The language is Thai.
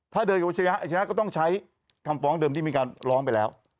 ถ้าเดินกับวัชนะอาชนะก็ต้องใช้คำฟ้องเดิมที่มีการร้องไปแล้ว